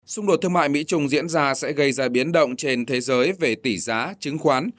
xung đột thương mại mỹ trung diễn ra sẽ gây ra biến động trên thế giới về tỷ giá chứng khoán